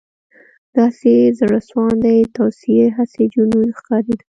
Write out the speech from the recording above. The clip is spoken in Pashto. • داسې زړهسواندې توصیې، هسې جنون ښکارېده.